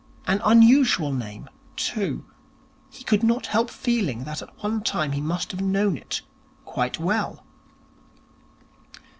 An unusual name, too. He could not help feeling that at one time he must have known it quite well.